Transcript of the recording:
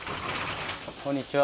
こんにちは。